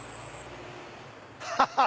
ハハハ！